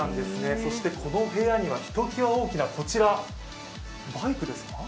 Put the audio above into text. この部屋にはひときわ大きなこちら、バイクですか？